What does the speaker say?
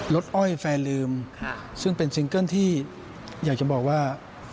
รถอ้อยแฟร์ลืมซึ่งเป็นซิงเกิ้ลที่อยากจะบอกว่า